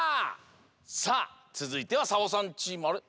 さあつづいてはサボさんチームあれ？